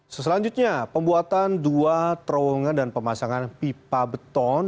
seselanjutnya pembuatan dua terowongan dan pemasangan pipa beton